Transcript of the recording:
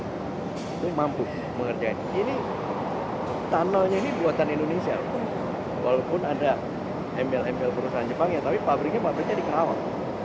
itu mampu mengerjain ini tanahnya ini buatan indonesia walaupun ada embel embel perusahaan jepang ya tapi pabriknya dikawal